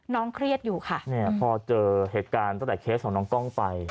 เครียดอยู่ค่ะเนี่ยพอเจอเหตุการณ์ตั้งแต่เคสของน้องกล้องไป